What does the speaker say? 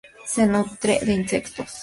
Se nutre de insectos.